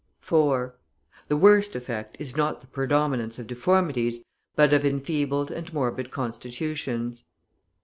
(4) The worst effect is not the predominance of deformities, but of enfeebled and morbid constitutions.